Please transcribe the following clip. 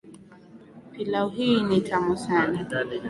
Pilau hii ni tamu sana.